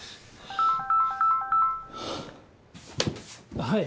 はい。